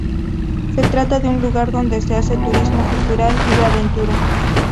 Se trata de un lugar donde se hace turismo cultural y de aventura.